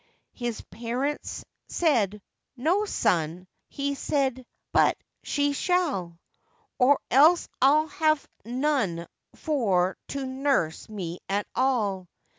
His parents said, 'No, son.' He said, 'But she shall, Or else I'll have none for to nurse me at all.